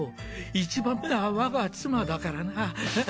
１番目は我が妻だからな。